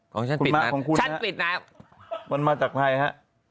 ของฉันปิดนะคุณม้าของคุณฮะฉันปิดนะมันมาจากไหนฮะ